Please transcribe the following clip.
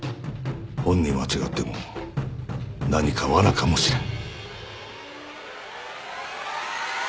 本人は違っても何かわなかもしれん。